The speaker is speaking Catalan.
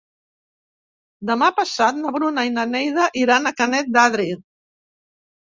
Demà passat na Bruna i na Neida iran a Canet d'Adri.